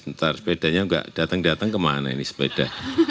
ntar sepedanya nggak datang datang kemana ini sepeda